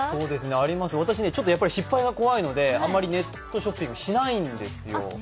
あります、私ね、失敗が怖いのであんまりネットショッピングしないんですよ。